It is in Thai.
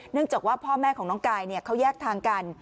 จากว่าพ่อแม่ของน้องกายเขาแยกทางกัน